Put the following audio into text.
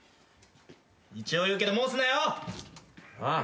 一応言うけどもうすんなよ！